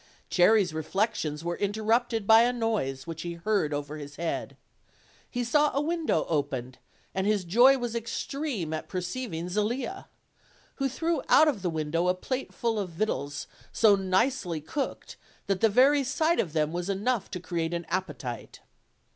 Cherry's reflections were interrupted by a noise which he heard over his head. He saw a window opened, and his joy was extreme at perceiving Zelia, who threw out of the window a plateful of victuals so nicely cooked that the very sight of them was enough to create an appetite.